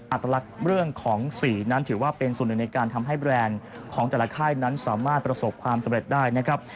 อัตลักษณ์เรื่องของสีนั้นถือว่าเป็นส่วนหนึ่งในการทำให้แบรนด์ของแต่ละค่ายนั้นสามารถประสบความสำเร็จได้นะครับ